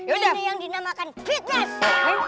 ini yang dinamakan fitnah